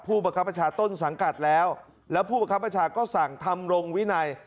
ประคับประชาต้นสังกัดแล้วแล้วผู้ประคับประชาก็สั่งทำรงวินัย